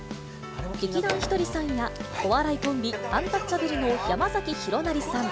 劇団ひとりさんやお笑いコンビ、アンタッチャブルの山崎弘也さん。